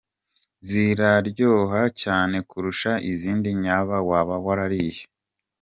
Ziraryoha cyane kurusha izindi nyaba waba warariye.